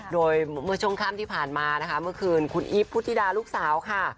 โดยเมื่อช่วงค่ำที่ผ่านมานะคะเมื่อคืนคุณอีฟพุทธิดาลูกสาวค่ะ